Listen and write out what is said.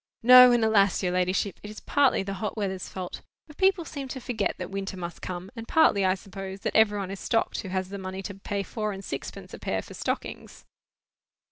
"No, and alas! your ladyship. It is partly the hot weather's fault, for people seem to forget that winter must come; and partly, I suppose, that every one is stocked who has the money to pay four and sixpence a pair for stockings."